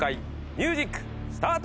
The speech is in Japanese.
ミュージックスタート！